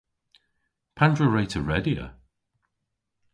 Pandr'a wre'ta redya?